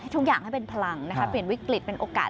ทุกอย่างให้เป็นพลังนะคะเปลี่ยนวิกฤตเป็นโอกาส